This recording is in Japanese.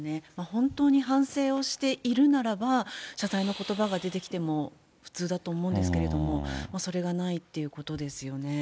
本当に反省をしているならば、謝罪のことばが出てきても普通だと思うんですけれども、それがないっていうことですよね。